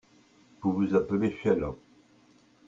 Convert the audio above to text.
Vous vous appelez Sheila.